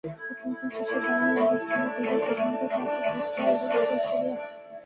প্রথম দিন শেষে দারুণ অবস্থানে থেকেও শেষ পর্যন্ত পার্থ টেস্টে হেরে গেছে অস্ট্রেলিয়া।